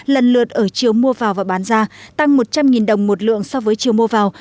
lần lượt ở chiều mua vào và bán ra tăng một trăm linh đồng một lượng so với chiều mua vào